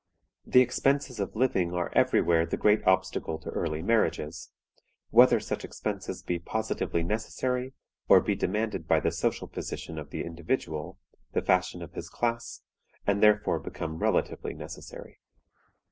The expenses of living are every where the great obstacle to early marriages, whether such expenses be positively necessary or be demanded by the social position of the individual, the fashion of his class, and therefore become relatively necessary.